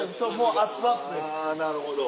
なるほど。